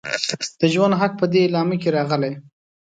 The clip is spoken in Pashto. د ژوند حق په دې اعلامیه کې راغلی.